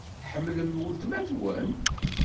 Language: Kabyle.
Tḥemmlem weltma-twen?